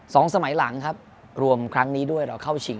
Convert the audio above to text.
สองสมัยหลังครับรวมครั้งนี้ด้วยเราเข้าชิง